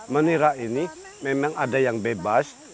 menira ini memang ada yang bebas